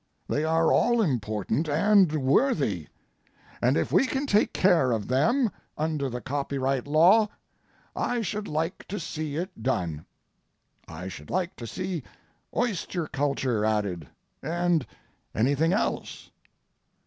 They are all important and worthy, and if we can take care of them under the Copyright law I should like to see it done. I should like to see oyster culture added, and anything else.